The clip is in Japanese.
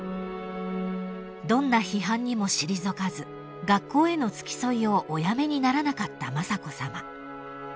［どんな批判にも退かず学校への付き添いをおやめにならなかった雅子さま］